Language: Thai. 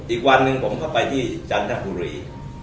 อีกวันหนึ่งผมก็ไปที่จันทรัพย์ภูรี